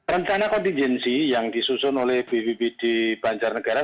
rencana kontingensi yang disusun oleh bvmbg di banjar negara